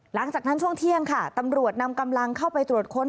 หลังจากนั้นช่วงเที่ยงค่ะตำรวจนำกำลังเข้าไปตรวจค้น